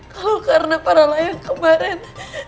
kalau karena paralah yang kemarin